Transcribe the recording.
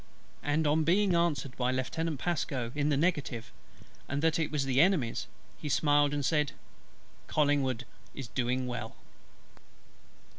and on being answered by Lieutenant PASCO in the negative, and that it was the Enemy's, he smiled, and said: "COLLINGWOOD is doing well."